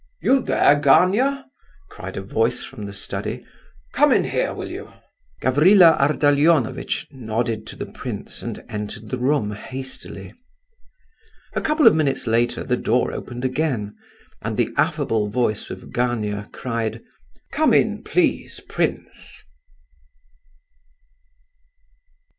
"You there, Gania?" cried a voice from the study, "come in here, will you?" Gavrila Ardalionovitch nodded to the prince and entered the room hastily. A couple of minutes later the door opened again and the affable voice of Gania cried: "Come in please, prince!"